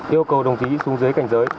yêu cầu đồng chí xuống dưới cảnh giới